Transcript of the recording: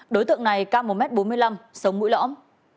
đối tượng này cao một m bốn mươi năm sống mũi lõm